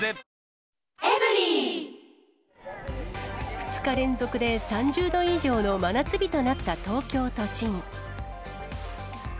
２日連続で３０度以上の真夏日となった東京都心。